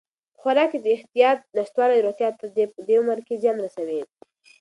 په خوراک کې د احتیاط نشتوالی روغتیا ته په دې عمر کې زیان رسوي.